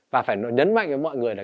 và phải nhấn mạnh với mọi người là